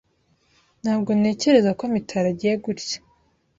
Ntabwo ntekereza ko Mitari agiye gutya.